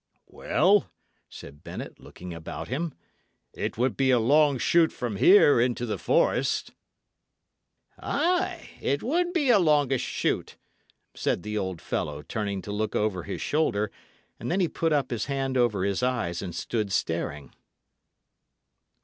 "Well," said Bennet, looking about him, "it would be a long shoot from here into the forest." "Ay, it would be a longish shoot," said the old fellow, turning to look over his shoulder; and then he put up his hand over his eyes, and stood staring.